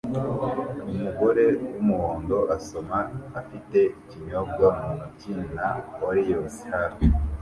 Umugore wumuhondo asoma afite ikinyobwa mu ntoki na Oreos hafi